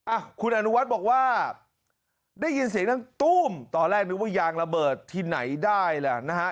อ่ะคุณอนุวัฒน์บอกว่าได้ยินเสียงดังตู้มตอนแรกนึกว่ายางระเบิดที่ไหนได้แหละนะฮะ